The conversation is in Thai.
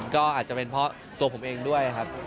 ก็อาจจะเป็นเพราะตัวผมเองด้วยครับ